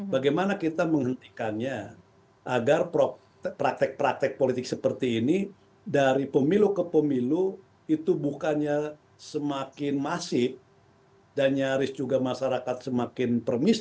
bagaimana kita menghentikannya agar praktek praktek politik seperti ini dari pemilu ke pemilu itu bukannya semakin masif dan nyaris juga masyarakat semakin permis